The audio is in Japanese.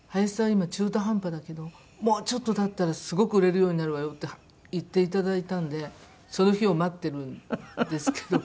今中途半端だけどもうちょっと経ったらすごく売れるようになるわよ」って言っていただいたんでその日を待ってるんですけども。